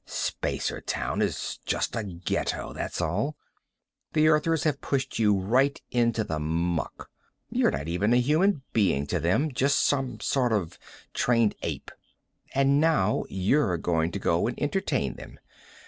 Spacertown is just a ghetto, that's all. The Earthers have pushed you right into the muck. You're not even a human being to them just some sort of trained ape. And now you're going to go and entertain them.